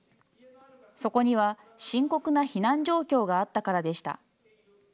そこには、深刻な避難状況があったからでした。